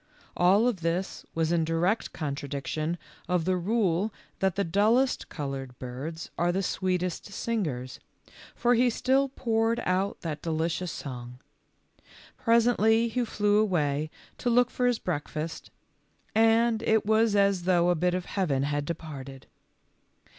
All of this was in direct contradiction of the rule that the dullest colored birds are the sweetest singers, for he still poured out that delicious song. Presently he flew away to look for his breakfast, and it was as though a bit of heaven had departed.